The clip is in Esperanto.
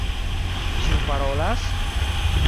Kiu parolas?